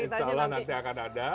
insya allah nanti akan ada